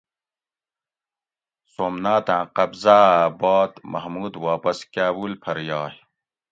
سومناتاۤں قبضاۤھہ باد محمود واپس کاۤ ُبل پھر یائ